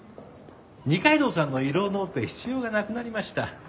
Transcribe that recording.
二階堂さんの胃ろうのオペ必要がなくなりました。